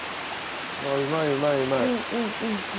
あぁうまいうまいうまい。